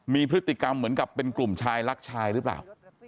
มีพฤติกรรมเหมือนกับเป็นกลุ่มชายรักชายหรือเปล่า